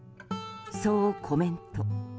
そうコメント。